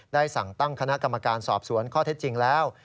ได้สั่งตั้งคณะกรรมการสอบสวนข้อเท็จจริงแล้ว